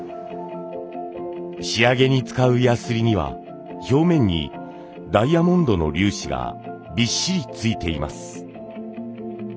仕上げに使うやすりには表面にダイヤモンドの粒子がびっしりついています。